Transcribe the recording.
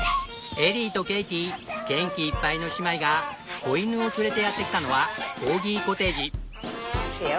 エリーとケイティ元気いっぱいの姉妹が子犬を連れてやってきたのはコーギコテージ。